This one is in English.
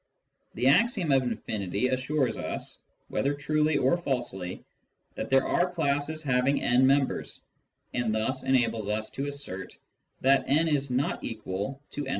The axiom of infinity assures us (whether truly or falsely) that there are classes having n members, and thus enables us to assert that n is not equal to »+i.